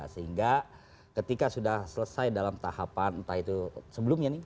sehingga ketika sudah selesai dalam tahapan entah itu sebelumnya nih